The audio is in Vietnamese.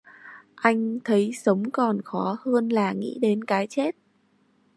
Anh thấy sống còn khó hơn là nghĩ đến cái chết